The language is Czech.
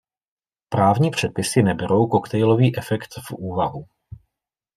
Právní předpisy neberou koktejlový efekt v úvahu.